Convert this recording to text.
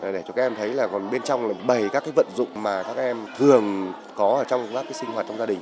để cho các em thấy là còn bên trong là bảy các cái vận dụng mà các em thường có trong các cái sinh hoạt trong gia đình